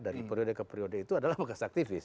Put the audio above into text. dari periode ke periode itu adalah bekas aktivis